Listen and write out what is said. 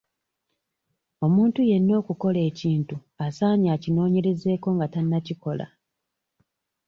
Omuntu yenna okukola ekintu asaanye akinoonyerezeeko nga tannakikola.